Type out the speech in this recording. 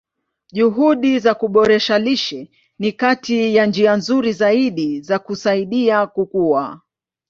Juhudi za kuboresha lishe ni kati ya njia nzuri zaidi za kusaidia kukua.